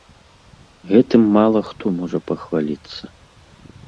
Гэтым мала хто можа пахваліцца.